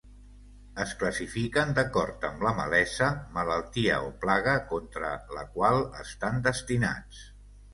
Es classifiquen d'acord amb la malesa, malaltia o plaga contra la qual estan destinats.